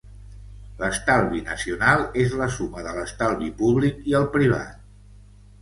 L'estalvi nacional és la suma de l'estalvi públic i el privat.